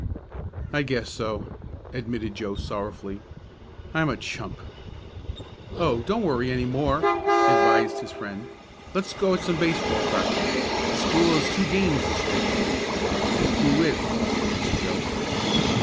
"I guess so," admitted Joe sorrowfully. "I'm a chump!" "Oh, don't worry any more," advised his friend. "Let's get at some baseball practice. The school has two games this week." "Who with?" asked Joe.